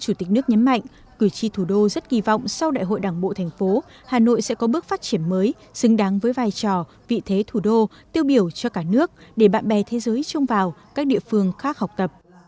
chủ tịch nước nhấn mạnh cử tri thủ đô rất kỳ vọng sau đại hội đảng bộ thành phố hà nội sẽ có bước phát triển mới xứng đáng với vai trò vị thế thủ đô tiêu biểu cho cả nước để bạn bè thế giới trông vào các địa phương khác học tập